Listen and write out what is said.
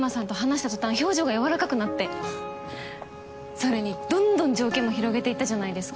それにどんどん条件も広げていったじゃないですか。